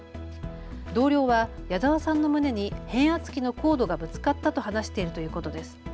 同僚は谷澤さんの胸に変圧器のコードがぶつかったと話しているということです。